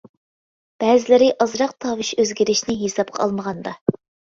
بەزىلىرى ئازراق تاۋۇش ئۆزگىرىشىنى ھېسابقا ئالمىغاندا.